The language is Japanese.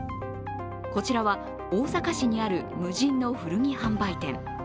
こちらは大阪市にある無人の古着販売店。